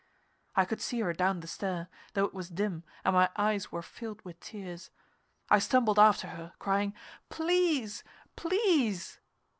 I could see her down the stair, though it was dim and my eyes were filled with tears. I stumbled after her, crying, "Please! Please!"